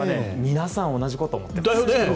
皆さん同じこと思っています。